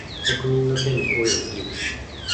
国民の権利及び義務